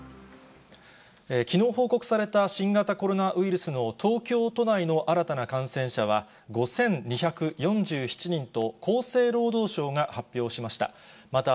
きのう報告された新型コロナウイルスの東京都内の新たな感染者は５２４７人と、厚生労働省が発表しました。